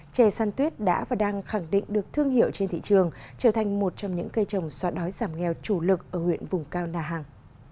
chè san tuyết đã và đang khẳng định được thương hiệu trên thị trường trở thành một trong những cây trồng xóa đói giảm nghèo chủ lực ở huyện vùng cao na hàng